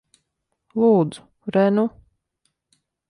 Lūdzu. Re nu.